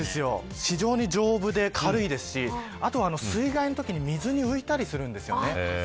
非常に丈夫で軽いですしあとは水害のときに水に浮いたりするんですね。